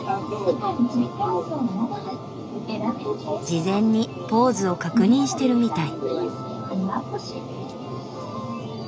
事前にポーズを確認してるみたい。